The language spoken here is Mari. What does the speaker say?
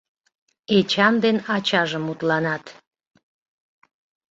Эчан ден ачаже мутланат.